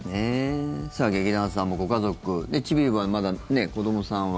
劇団さんもご家族でちびはまだ、子どもさんは。